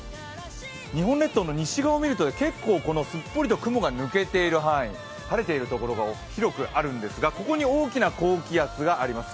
日本列島の西側を見ると雲がすっぽり抜けている範囲晴れている所が広くあるんですが、ここに大きな高気圧があります。